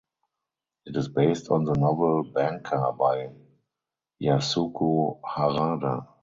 It is based on the novel "Banka" by Yasuko Harada.